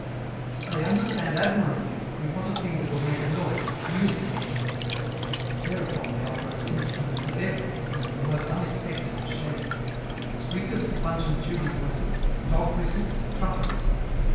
They understand admirably that we want a thing that will make a noise, music, in short; thereupon they offer us instruments of every, and of the most unexpected, shape squeakers for Punch and Judy voices, dog whistles, trumpets.